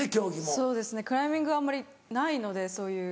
そうですねクライミングはあんまりないのでそういう。